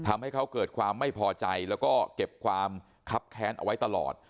แม่ให้เขาเกิดความไม่พอใจและเก็บความคับแค้นไว้ตลอด